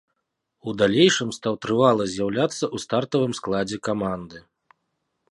У далейшым стаў трывала з'яўляцца ў стартавым складзе каманды.